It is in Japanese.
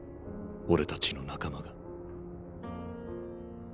俺たちの仲間が。